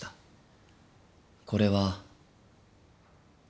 これは。